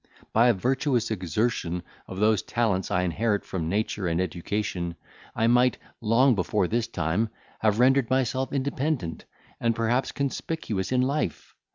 By a virtuous exertion of those talents I inherit from nature and education, I might, long before this time, have rendered myself independent, and, perhaps, conspicuous in life.